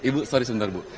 ibu sorry sebentar ibu